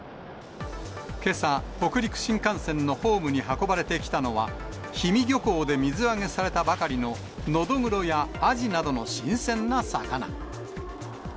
けさ、北陸新幹線のホームに運ばれてきたのは、氷見漁港で水揚げされたばかりの、ノドグロやアジなどの新鮮な魚。